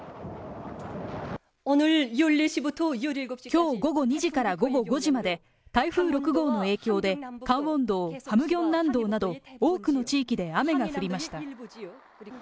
きょう午後２時から午後５時まで、台風６号の影響で、カンウォン道、ハムギョン南道など多くの地域で雨が降りました。